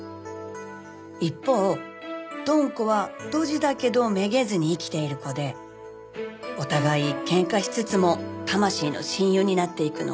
一方ドン子はドジだけどめげずに生きている子でお互い喧嘩しつつも魂の親友になっていくの。